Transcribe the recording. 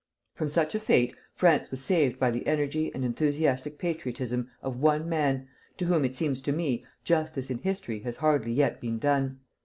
From such a fate France was saved by the energy and enthusiastic patriotism of one man, to whom, it seems to me, justice in history has hardly yet been done.